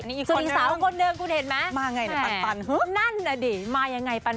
อันนี้อีกคนเดิมมายังไงเนี่ยปันนั่นสิมายังไงปัน